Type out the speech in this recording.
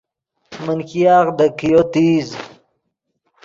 من ګیاغ دے کئیو تیز